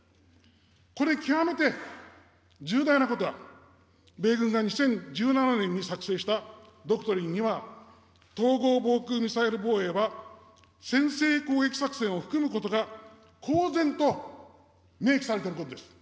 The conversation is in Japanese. これ、極めて重大なことは米軍が２０１７年に作成したドクトリンには、統合防空ミサイル防衛は、先制攻撃作戦を含むことが公然と明記されていることです。